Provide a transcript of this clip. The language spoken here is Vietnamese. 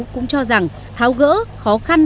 cũng cho rằng tháo gỡ khó khăn